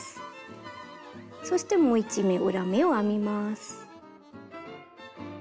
そしてもう１目裏目を編みます。